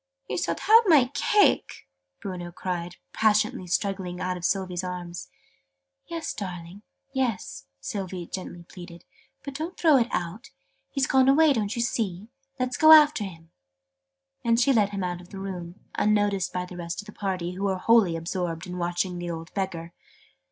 "He shalt have my cake!" Bruno cried, passionately struggling out of Sylvie's arms. "Yes, yes, darling!" Sylvie gently pleaded. "But don't throw it out! He's gone away, don't you see? Let's go after him." And she led him out of the room, unnoticed by the rest of the party, who were wholly absorbed in watching the old Beggar.